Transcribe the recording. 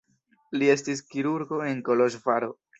Li estis kirurgo en Koloĵvaro.